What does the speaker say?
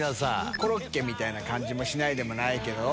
コロッケみたいな感じも、しないでもないけど。